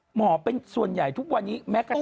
หมอเป็นส่วนใหญ่ทุกวันนี้